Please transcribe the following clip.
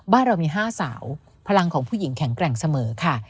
บ้านเรามี๕สาวพลังของผู้หญิงแข็งแกร่งเสมอค่ะ